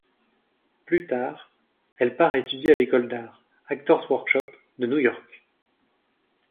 Plus tard, elle part étudier à l'école d'arts, Actor's Workshop, de New York.